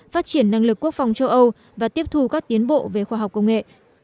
phát triển năng lực quốc phòng châu âu và tiếp thu các tiến bộ về khoa học công nghệ